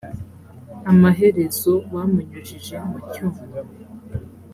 amaherezo bamunyujije mu cyuma